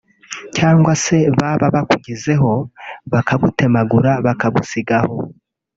cyangwa se baba bakugezeho bakagutemagura bakagusiga aho